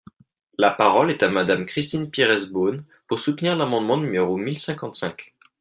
La parole est à Madame Christine Pires Beaune, pour soutenir l’amendement numéro mille cinquante-cinq.